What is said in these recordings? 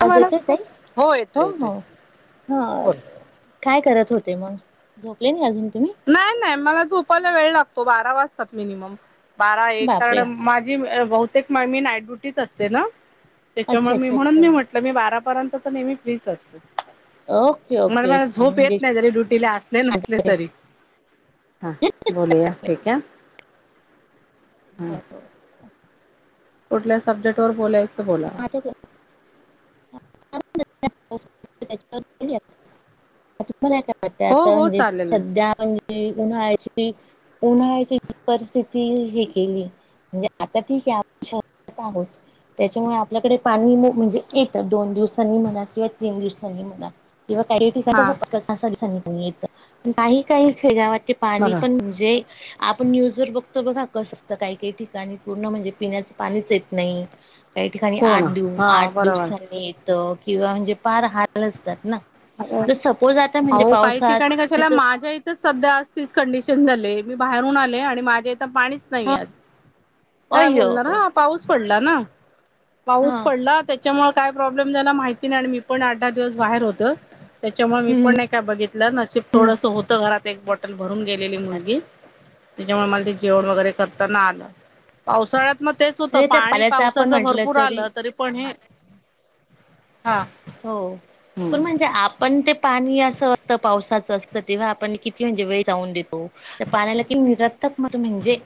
हा आवाज मॅडम येतोय ताई हो येतोय येतोय हो हां बोल काय करत.. मग झोपले नाई अजून. तुम्ही नाई नाई मला झोपायला वेळ लागतो बारा वाजतात मिनिमम. बारा एक बापरे माझी अं बहुतेक नाईट ड्युटीच असते ना. त्याच्यामुळे अच्छा मी अच्छा म्हणून अच्छा मी म्हटलं मी बारापर्यंत तर नेहमी फ्रीच असते. ओके म्हणजे ओके मला ओके झोप म्हणजे येत नाही जरी ड्युटीला असले नसले तरी. हां बोलूया ठीक हाय... [inaudible] कुठल्या सब्जेक्ट वर बोलायचं बोला. [inaudible] [inaudible] त हो हो चालेल ना हे केली म्हणजे आता ठीक आहे.. आपल्याकडे पाणी म्हणजे येतं दोन दिवसांनी म्हणा किंवा तीन दिवसांनी... किंवा काही हां ठिकाणच स दिसांनी येतं प काही... ते पाणी बरं पण म्हणजे आपण न्यूज वर बघतो.. बघा कसंत काही काही ठिकाणी पूर्ण म्हणजे पिण्यास पाणीच येत नाही. काही पूर्ण आठ आठ हां बरोबर दिवसांनी येत.. हो काही ठिकाणी कशाला तिथं माझ्या इथच सध्या अशी कंडीशन झालिया. मी बाहेरून आले आणि माझ्या इथे पाणीच नाही हा आहे आज काय अय्यो बोलणार पाऊस च हा हा... पडला ना हा पाऊस पडला त्याच्यामुळे.... काय प्रॉब्लेम आहे ना माहिती नाही आणि मी पण आठ दहा दिवस बाहेर होते. त्याच्यामुळे मी हम्म पण नाही काय बघितलं नशीब हम्म थोडस होत घरात एक बॉटल भरून गेलेली मुलगी त्याच्यामुळे मला ते जेवण वगैरे करताना आलं पावसाळ्यात... म तेच होतं म्हणजे त्या पाणी पाण्याचं आपण पावसाच म्हटलं भरपूर आलं तरी, पण हे हा हो हम्म पण म्हणजे आप पण ते पाणी असं असतं पावसाचं असतं, तेव्हा आपण किती म्हणजे वेळ जाऊन देतो? त्या पाण्याला कणी तुम्ही रत्तत मत म्हणजे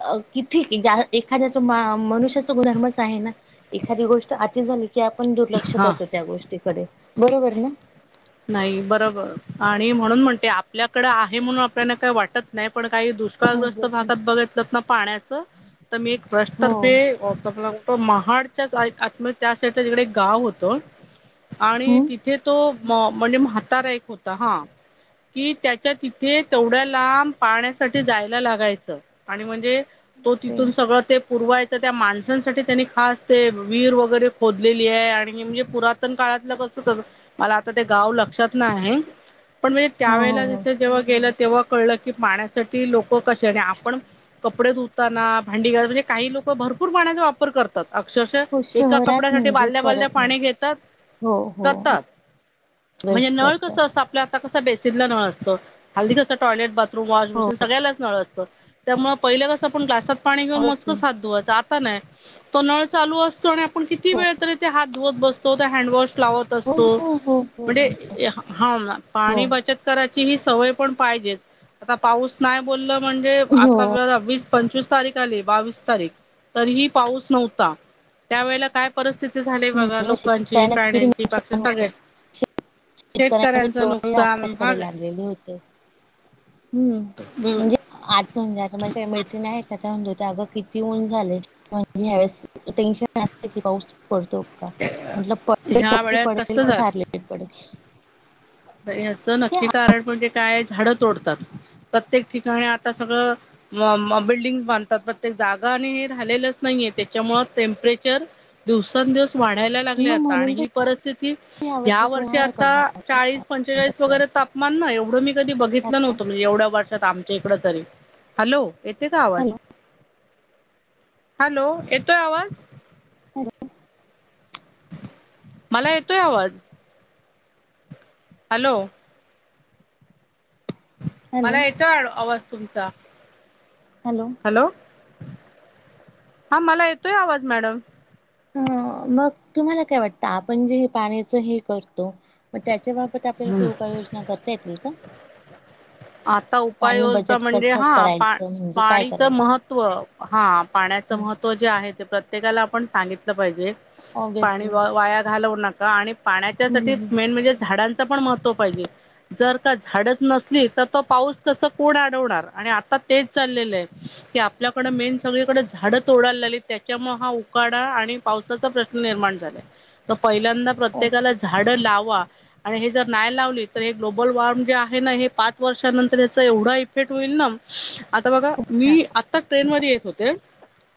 अ कितीे ज्याला एखाद्या तर मनुष्याचा गुनधर्मच आहे ना, एखादी गोष्ट आती झाली की आपण दुर्लक्ष हा करतोय. तिकडे बरोबर ना. नाही बरोबर आणि म्हणून म्हणते आपल्याकडे आहे, म्हणुन आपल्याला काय वाटत नाही. पण काही हो दुष्काळग्रस्त भागात बघितलत ना पाण्याचं तर मी एक ट्रस्ट हो तर्फे [unintelligible] ते महाडच्या आत मध्ये आतल्या साईडला तिकडे एक गाव होत आणि हम्म तिथे तो म मंजे म्हातारा एक होता हां. कि त्याच्या तिथे तेवढ्या लांब पाण्यासाठी जायला लागायचं आणि म्हणजे तो ते तिथून सगळं ते पुरवायचं तर त्या माणसांसाठी त्यांनी खास ते विहीर वगेरे, खोदलेली हाय आणि पुरातन काळातल कसं मला आता ते गाव लक्षात नाही, पण म्हणजे हो हो त्यावेेळेला हो तीथे जेव्हा गेलं तेव्हा कळलं की पाण्यासाठी लोक कश्यानी आपण कपडे धुताना, भांडी घासताना म्हणजे काही लोक भरपूर पाण्याचा वापर करतात. अक्षरशा हो एका शहरात कपड्यासाठी म्हणजे बालड्या बालड्या करत नाही पाणी घेतात हो हो करतात. म्हणजे वेस्ट नळ कस करतात असत आपल्यात आता कस बेसीनला नळ असतो, हल्ली जास्त टॉयलेट, बाथरूम रूम, वॉश हो बेसिन सगळ्यालाच नळ असतं. त्यामुळं पहिल कसं आपण ग्लासात पाणी घेवून, ऑब्विसली मोजकच हात धुवायच आता नाही. तो नळ चालू असतो आणि आपण किती हो वेळ तरी, ते हात धुवत बसतो तो हँडवॉश लावत हो असतो हो हो हो हो म्हजे हो हा पाणी हो. बचत करायची ही सवय पण पाहिजेच, आता पाऊस नाय बोलल म्हणजे आता म्हणजे जरा वीस पंचवीस तारीख आली बावीस तारीख तरीही पाऊस नव्हता, त्यावेळेला काय परिस्थिती झालेय बघा मग लोकांची, शेतकऱ्यांना किती प्राण्यांची, पक्ष्यांचे नुकसान होतं. सगळ्यांची शेतकऱ्यांचे शेतकऱ्यांचं डोळे नुकसान हा. आकाशाकडे लागलेले होते हम्म म्हणजे आज संध्याकाळी मैत्रिणी आहेत का? म्हण अगं कितीऊन झालय, म्हणजे ह्यावेळेस टेन्शनच आहे की पाऊस पडतो का म्हटलं पडतोय ह्या नक्की वेळेत पडेल कसं पण फार लेट पडेल याचं हे नक्की कारण म्हणजे काय झाडं तोडतात? प्रत्येक ठिकाणी आता सगळं म म बिल्डिंग् बांधतात, पण ते जागा आणि हे राहीलेलच नाहीए त्याच्यामुळ टेंप्रेचर दिवसांदिवस वाढायला लागलय, आत्म आता आणि म्हणून ही तर परिस्थिती या वर्षीच वर्षी उन्हाळा आता कडनं चाळीस पंचेचाळीस वगैरे तापमान ना हे एवढं, मी कधी बघितलं नव्हतं म्हणजे येवढ्या वर्षात आमच्या इकड तरी, हॅलो येते का आवाज? हॅलो हॅलो येतोय आवाज? हॅलो. मला येतोय आवाज हॅलो. हॅलो मला येतोय एड आवाज तुमचा हॅलो. हा मला येतोय आवाज मॅडम हं मग तुम्हाला काय वाटतं आपण जे पाण्याच हे करतो म त्या जेव्हा आपत्तीबाबत आपल्याला काही हम्म उपाययोजना करता येतील का? आता पाणी उपाययोजना बजेट म्हणजे कसं हा करायचं म्हणजे काय पाणीच करायचं महत्व हा पाण्या पाण्याच महत्व जे आहे ते प्र प्रत्येकाला आपण सांगितलं पाहिजे. पाणी ऑब्विसली वाया घालवू नका आणि पाण्याच्या साठि हम्म मेन म्हणजे झाडांच पण महत्त्व पाहिजे जर का झाडच नसली तर, तो पाऊस कस कोण अडवणार, आणि आता तेच चाललेलं आहे की आपल्याकड मेन सगळीकडे झाड तर तोडायला लागलीत त्याच्यामुळे हा उकाडा आणि पावसाचा प्रश्न निर्माण झालाय. तो पहिल्यांदा प्रत्येकाला ऑब्विसली झाडं लावा! आणि हे जर न्याय लावली तर हे ग्लोबल वॉर्म जे आहे ना हे पाच पाच वर्षानंतर याचा एवढा इफेक्ट होईल ना, आता बघा मी आत्ता ट्रेन मध्ये येत होते.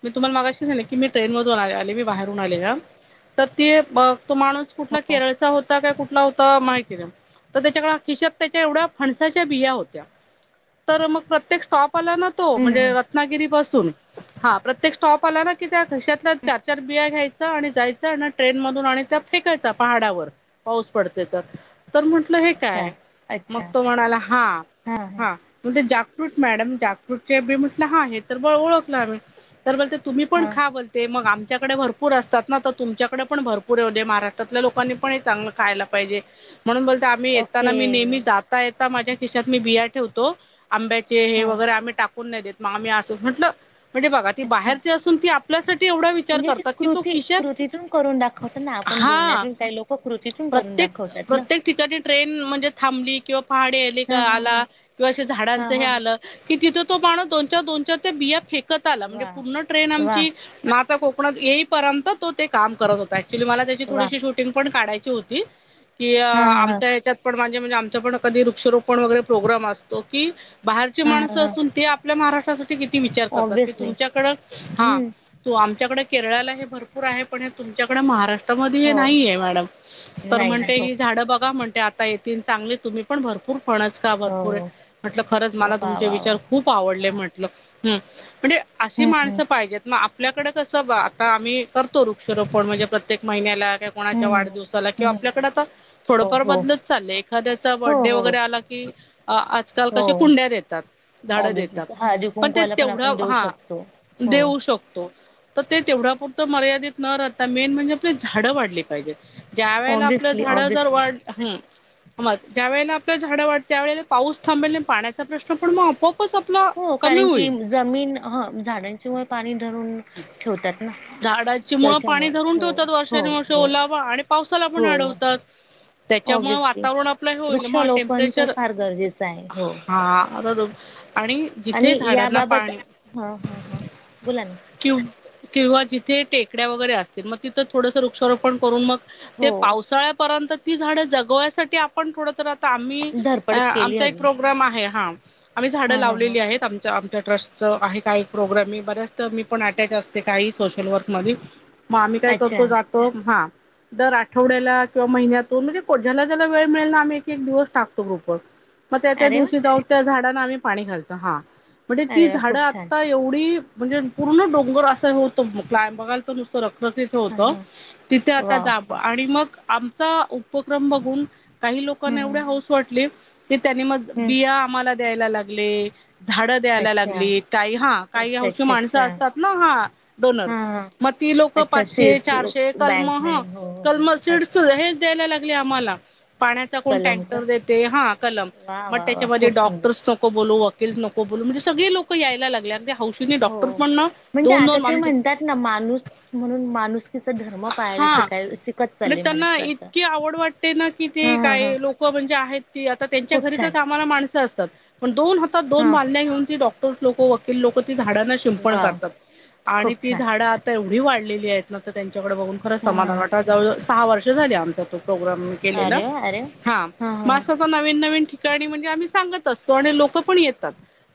मी तुम्हाला मागाशी नाहीले की मी ट्रेन मधून आले मी बाहेरून आले का तर ते तो माणूस कुठला केरळचा होता काय कुठला होता माहिती तर त्याच्याकडे खिशात त्याच्या एवढ्या फन साच्या होत्या, तर मग प्रत्येक स्टपला ना तो म्हणजे हम्म रनागिरी पास सुन हा प्रत्येक स्टॉप आला ना कि त्या खीशाततल्या चार चार बिया घ्यायच आणि जायच आणि ट्रेन मधून आणि त्या फेकायचा पहाडावर पाऊस पडते तर, तर म्हंटलं हे अच्छा काय? मग अच्छा तो म्हणाला हा हा. जा्रूट मॅडम जा्रूट ब म्हटलं हा हे तर ब ओळखलं आम्ही. तर बोलते तुम्ही पण हा खा बोलते मग आम च्याकडे भरपूर असतात ना तर तुमच्याकडे पण भरपूर येव दे्या महाराष्ट्रातल्या लोकांनी पण हे चांगलं खायला पाहिजे. म्हणून बोलत आम्ही येताना ओके मी नेहमी जाता येता माझ्या खिशातत मी बियार ठेवतो. आंब्याचे हे हा वगैरे आम्ही टाकून नाही देत मग आम्ही असं म्हटलं म्हणजे बघा ती अच्छा बाहेरची असून ती आपल्यासाठी एवढा विचार म्हणजे ती करतात की तो कृती खिशात कृतीतून करून दाखवत ना आपण हा बोलण्यातून काही लोक कृतीतून करूनव प्रत्येक प्रत्येक ठिकाणी ट्रेन म्हणजे थांबली किंवा पहाडे आले का हा हा हा आला किंवा हा झाडांच हे हा हा आलं कि तिथ तो माणू दो दोन ते बिया फेकत आला म्हणजे वा पूर्ण ट्रेन वा आमची कोकणात येईपर्यंत तो ते काम करत होता ऍक्चुली मला त्याची वा थोडीशी शूटिंग पण काढायची होती की हा हा हा आमच्या हच्यात पणे म्हणजे आमच पण कधी वृक्षोपण वगैरे प्रोग्राम असतो की बाहेरचे हा हा माणसं हा असून ते आपल्या महाराष्ट्र किती विचार करतात क ऑब्विसली तुमच्याकड हा हम्म तु आमच्याकडे केरळाला हे भरपूर आहे पण हे तुच्याकडे महाराष्ट्र मधी हो नाही मॅडम तर नाही म्हणते हो ही झाड बघा म्हणते आता ये चांगले तुम्ही पण भरपूर फणस का भरपूर हो म्हटलं खरंच मला वा तुमचे वा विचार वा खूप आवडले म्हटल म्हणजे अशी माणस हम्म पाहिजेत ना आपल्याकडे कसं आता आम्ही करतो वृक्षरोपण म्हणजे प्रत्येक महिन्याला किंवा कोणाच्या हम्म वाढदिवसाला किंवा हम्म आपल्याकडे आता हो थोडंफार हो बदलत चाललंय एखाद्या हो बर्थडे हो वगैरे आला की आजकाल कश हो कुंड्या देतात झाडं ऑब्विसली देतात हळदी पण ते कुंकवाला तेवढा आपण देऊ हा शकतो हो देऊ शकतो! तर ते तेवढा पुुरं मर्यादित न राहता मेन म्हणजे आपली झाडं वाढली पाहिजे. ज्या वेळेला आपलं ऑब्विसली झाड जर ऑब्विसली वाढ ह म ज्या वेळेला झाड वातते ववेळेला पाऊस थांबेल नाही पाण्याचा प्रश्न पण मग आपोप हो कारण की जमीन झाडांच्यामुळे पाणी धरून ठेवतात ना झाडाची मुळ पाणी त्याच्यामुळे धरून हो ठेवतात हो वर्षान वर्ष हो ओलावा आणि पावसाला पण हो अडवतात. त्याच्यामुळे ऑब्विसली वातावरण आपलं हे होईल मग वृक्षारोपण तर टेम्परेचर फार गरजेचं आहे हो हा. आणि जिथे आणि झाडांना याबाबत पाणी हा हा हा बोला ना कि किंवा जिथे टेकड्या वगैरे असतील मग तिथं थोडस वृक्षारोपण करून मग ते हो पावसाळ्यापर्यंत ती झाड जगवायसाठी आपण थोड आम्ही अ धडपड केली आमचा एक हवी. प्रोग्राम आहे. हा आम्ही झाडं हा हा हा. लावलेली आहेत आमच्या ट्रस्ट च आहे काही प्रोग्राम मी बऱ्याच मी पण अटॅच असते काही सोशल वर्कमदी! मं आम्ही काय अच्छा करतो जातो हा! दर आठवड्याला किंवा महिन्यातून म्हणजे, ज्याला ज्याला वेळ मिळेल ना आम्ही एक, एक दिवस टाकतो ग्रुप वर मग त्या त्या अरे वा दिवशी जाऊ त्या झाडांना आम्ही पाणी घालतो. हा म्हणजे ती अरे वा झाडं खूप छान आता एवढी म्हणजे पूर्ण डोंगर असं होत, बघायल तर नुसतं रख च हा होत हा तिथे आता वाव जावं आणि मग आमचा उपक्रम बघून काही हम्म लोकांना एवढ्या हम्म. हौस वाटली की त्यांनी मग हम्म. बिया आम्हाला द्यायला लागले. झाडं द्यायला अच्छा लागली काही हा काही अच्छा हौशी अच्छा माणसं अच्छा अस तात ना हं डोनर हा हा. म ती लोक अच्छा पाचशे सीड्स चारशे कल म बँक हं म्हणून हो हो हो अच्छा चुडचुळ हेच द्यायला लागले आम्हाला पाण्याचा कोण कलम का? टँकर देते हा कलम वा मग वा वा त्याच्यामध्ये खूप सुंदर डॉक्टर्स नको बोलू नको बोलू म्हणजे सगळे लोक यायला लागले अगदी हौशीनी हो. डॉक्टर पण ना म्हणजे दोन आता दोन ते आमचे म्हणतात ना माणूस म्हणून माणुसकीचा धर्म पाहायला शिकायला श मं त्यांना इतकी आवड वाटते ना की ते हा हा हा. काय लोक म्हणजे आहेती आता त्यांच्या खूप घरीच छान कामाला माणसं असतात पण दोन हातात हा दोन बादल्या घेऊन की डॉक्टर्स लोक वकील लोक ती झाडांना पण वाव करतात आणि खूप ती छान झाडं आता एवढी वाढलेली आहेत ना तर त्याच्याकडे बघून खरं हा हा. समाधन वाटत जवळवळ सहा वर्ष झाली आमच्या तो प्रोग्रॅम अरे वा अरे वा केलेलाहा हा हा म हा. नवीन नवीन ठिकाणी म्हणजे आम्ही सांगत असतो आणि लोक पण येतात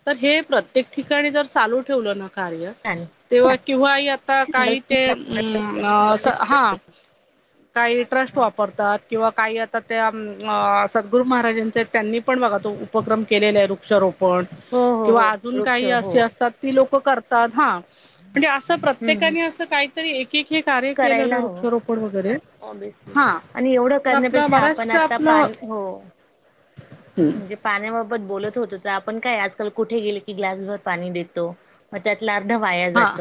तर हे प्रत्येक ठिकाणी जर चालू ठेवलं ना कार्य छान ते किंवाही आता ती काही ते संकल्पना आवडते. अ हा काही हा, ट्रस्ट हा. वापरतात किंवा काही आ त्या सद्गुरू महाराजांचे त्यांनी पण बघा तो उपक्रम केलेला आहे वृक्षारोप हो हो हो किंवा अजून वृक्ष काही हो असे असतात ती लोक करतात हा म्हणजे असं हम्म हम्म प्रत्येकाने असं काहीतरी एक एक हे कार्य केलं ना वृक्षरोोपण वगैरे ऑब्वियसली हा आणि एवढं तर आपलं करण्यापेक्षा आपण बऱ्याचशा आता आपलं पान हो हं, म्हणजे पाण्या बोलत होतो त आपण काय कुठे गेले की ग्लासरभर पाणी देतो अर्ध वाया हा जात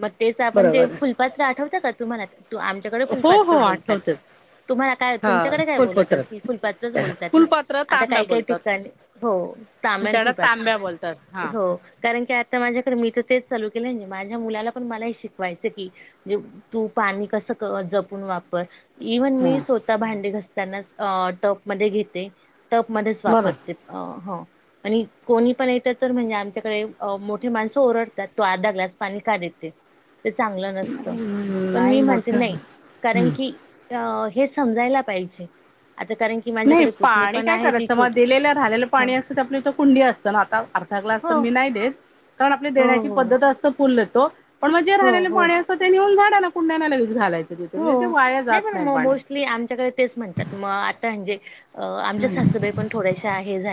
मग तेच आपण ते बरोबर आहे. फुलपात्र आठवत का तुम्हाला त आमच्याकडे पण हो हो पात्र बोलतात आठवतेच तुम्हाला काय हा तुमच्याकडे काय बोलत फुलपात्र असेल फुलपात्रच बोलतात ना फुलपात्र आता तांब्या काही काही बोलतात ठिकाणी हो तामाण आमच्याकडे फुलपात्र तांब्या बोलतात हा हो कारण की आता माझ्याकडे मी तर तेच चालू केलंय नं माझ्या मुलाला पण मला हे शिकवायचं की म्हजे तू पाणी कसं जपून वापर इव्हन मी हा स्वतः भांडे घसताना टपमध्ये घेते टपमध्येच बरं वापरते हो हं आणि कोणी पण येत तर म्हणजे आमच्याकडे मोठे माणसं ओरडतात तो आधा ग्लास पाणी का देत त ते चांगलं नसतं हम्म, पण नाही मी म्हणते मोठं नाही कारण हम्म. की अं हे समजायला पाहिजे आता कारण की नाही माझ्याकडे पुत्णी पाणी काय करायचं मग दिलेलं रालेलं पाणी असतं ते आपल्या इथं कुंडी असतं ना आता अर्धा ग्लास हो तर मी नाही देत कारण आपल्या हो देण्याची हो पद्धत असत करतं पण मग जे हो रालेले हो पाणी असत ते नऊन झाड ना कुंड्याला लगच घालायच हो नाही पण म मग मोस्टली आमच्याकडे तेच म्हणतात म आता म्हणजे अ आमच्या हम्म. सासूबाई पण थोड्याशा आहे हे झा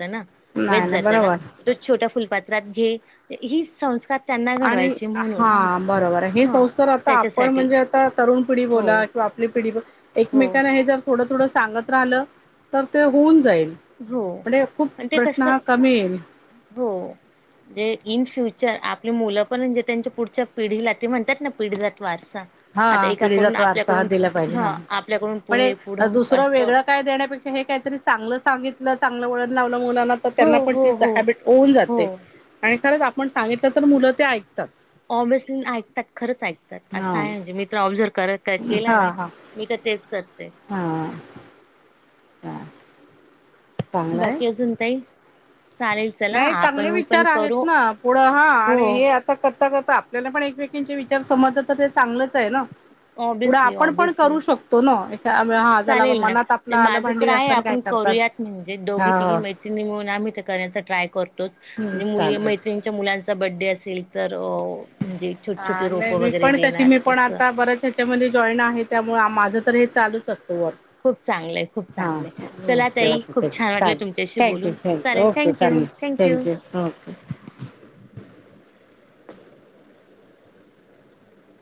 हाना वेस्ट नाही नाही जाते ना बरोबर तो छोट्या फुलपात्रात घे ही संस्कार त्यांना घडवायचे म्हणून हा बरोबर आहे हे हा संस्कार आता आपण त्याच्यासाठी म्हणजे आता तरुण पिढी हो बोला किंवा आपली पिढी बोला हो एकमेकांना हे जर थोडं थोडं सांगत राहिलं तर ते होऊन जाईल हो म्हणजे खूप प्रश्न कसं हा कमी येईल हो इन फ्युच चर आपली मुलं पण म्हणजे त्यांच्या पुढच्या पिढीला ते म्हणतात ना पिढी त्रास हा पिढीला तो वारसा हा दिला पाहिजे ह हा आपल्याकडून पण पुढे पुढं दुसरं असं वेगळं काय देण्यापेक्षा हे काहीतरी चांगलं सांगितलं चांगलं वळण लाव लं हो त्यांना पण हो ती हो चटापट होऊन हो जाते खरंच आपण सांगितलं तर मुलं ते ऐकतात ऑबिसली ऐकतात खरच ऐकतात असं हा आहे म्हणजे मित्र ऑब्झर्व खरच काय केला हा ना हा मी तर तेच कर हा ह बाकी अजून काही चालायचं नाही चांगले विचार आहेत ना पुढं हा हो आणि हे आता करता करता आपल्याला पण एक वे त्यांचे विचार समजत तर ते चांगलंच आहे ना पुढं ऑबिसली आपण पण ऑबीसली करू शकतो ना एक हा झाला चालेल मनात ना आपलं आलं माझं तर भांडी आहे घासताना काय आपण करतात करूयात म्हणजे दोघी तिघी हा मैत्रिणी म्हणून आम्ही त करायचं ट्राय करतोच आणि मुली चालतंय मैत्रिणीच्या मुलांचा बड्डे असेल तर अ.. म्हणजे छोटी हा छोटी रोप वगैरे देणार तस त्या मुली जॉईन आहे त्यामुळे माझं तर हे चालूच असतं वर खूप चांगलंय खूप हा चांगलंय. चला ओके ताई ओके खूप छान वाटलं चालेल तुमच्याशी थँक्यु बोलून. थॅंक्यु चालेल ओके थँक्यू चालेल थँक्यू थॅंक्यू [inaudible]